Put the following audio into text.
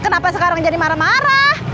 kenapa sekarang jadi marah marah